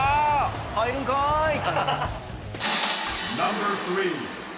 入るんかい。